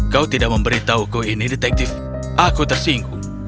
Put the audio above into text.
kau tidak memberitahuku ini detektif aku tersinggung